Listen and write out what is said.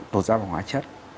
tột dao và hóa chất